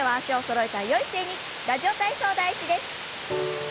「ラジオ体操第１」です。